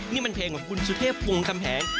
นี่มันเพลงของคุณสุเทพวงคำแหง